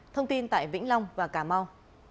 thông tin tại vĩnh long và cà mau